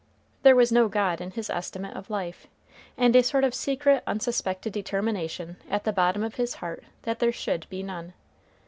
There was no God in his estimate of life and a sort of secret unsuspected determination at the bottom of his heart that there should be none.